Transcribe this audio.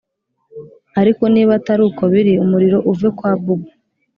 Ariko niba atari ko biri umuriro uve kwa bubu